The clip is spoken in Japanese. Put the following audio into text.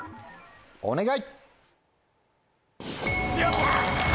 お願い。